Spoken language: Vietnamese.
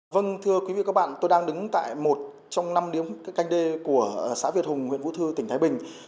vâng thưa quý vị và các bạn tôi đang đứng tại một trong năm điếm canh đê của xã việt hùng huyện vũ thư tỉnh thái bình